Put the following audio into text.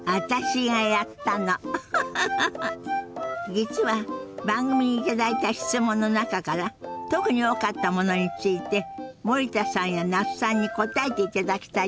実は番組に頂いた質問の中から特に多かったものについて森田さんや那須さんに答えていただきたいと思って。